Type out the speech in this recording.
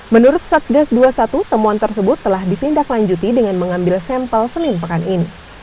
menurut satgas dua puluh satu temuan tersebut telah ditindaklanjuti dengan mengambil sampel senin pekan ini